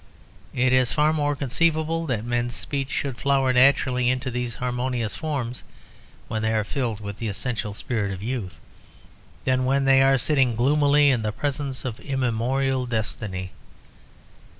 It is far more conceivable that men's speech should flower naturally into these harmonious forms, when they are filled with the essential spirit of youth, than when they are sitting gloomily in the presence of immemorial destiny.